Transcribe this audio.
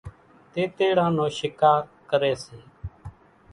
تيتيڙان نو شِڪار ڪريَ سي۔